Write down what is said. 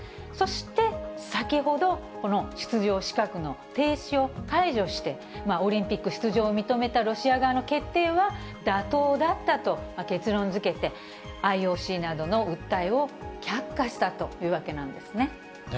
そして、先ほど、この出場資格の停止を解除して、オリンピック出場を認めたロシア側の決定は妥当だったと結論づけて、ＩＯＣなどの訴えを却下したというわけなんですね。